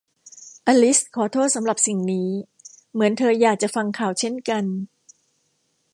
อลิซขอโทษสำหรับสิ่งนี้ เหมือนเธออยากจะฟังข่าวเช่นกัน